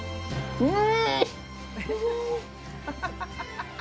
うん！